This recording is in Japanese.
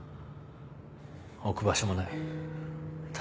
置く場所もない。